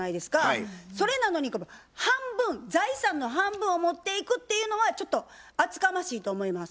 それなのに財産の半分を持っていくっていうのはちょっと厚かましいと思います。